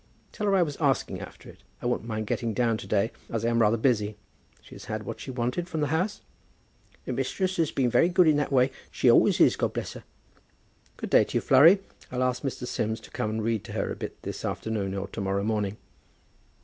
"Tell her I was asking after it. I won't mind getting down to day, as I am rather busy. She has had what she wanted from the house?" "The mistress has been very good in that way. She always is, God bless her!" "Good day to you, Flurry. I'll ask Mr. Sims to come and read to her a bit this afternoon, or to morrow morning."